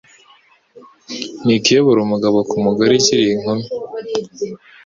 n’ikiyobora umugabo ku mugore ukiri inkumi